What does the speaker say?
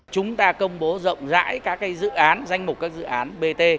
chúng ta công bố rộng rãi các dự án danh mục các dự án bt